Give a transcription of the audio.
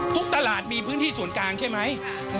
ทุกตลาดมีพื้นที่ศูนย์กลางใช่ไหม